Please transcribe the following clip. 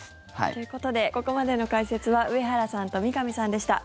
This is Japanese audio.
ということでここまでの解説は上原さんと三上さんでした。